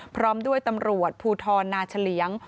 พร้อมด้วยตำรวจภูทรนาเฉลียง